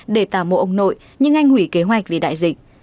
để tà mộ ông nội nhưng anh hủy kế hoạch vì đại dịch